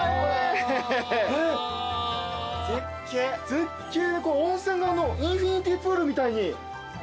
絶景温泉がインフィニティプールみたいに。